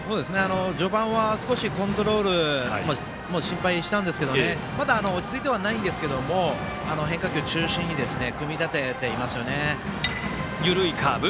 序盤は少しコントロールも心配したんですけどまだ落ち着いてはいないんですけど変化球中心に組み立てていますよね。